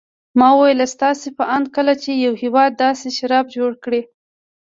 ما وویل: ستاسې په اند کله چې یو هېواد داسې شراب جوړ کړي.